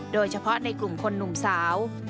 โดยเฉพาะในกลุ่มคนหนุ่มสาว